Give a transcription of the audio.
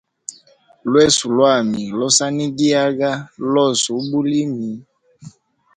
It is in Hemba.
Lweso lwami losanigiaga lose ubulimi.